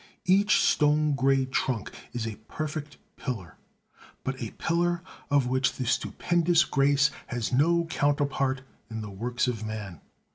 Each stone grey trunk is a perfect pillar, but a pillar of which the stupendous grace has no counterpart in the works of man.